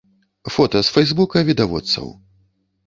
Фота з фэйсбука відавочцаў.